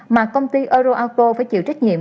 mà công ty euroauto phải chịu trách nhiệm